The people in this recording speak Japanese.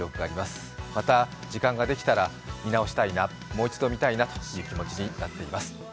また時間ができたら見直したいな、もう一度見たいなという気持ちになっています。